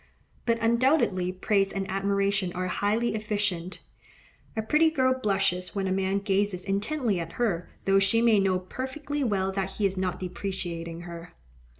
But undoubtedly praise and admiration are highly efficient: a pretty girl blushes when a man gazes intently at her, though she may know perfectly well that he is not depreciating her.